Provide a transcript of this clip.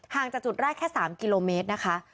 จากจุดแรกแค่๓กิโลเมตรนะคะ